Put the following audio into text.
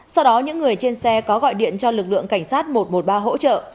sau đó những người trên xe có gọi điện cho lực lượng cảnh sát một trăm một mươi ba hỗ trợ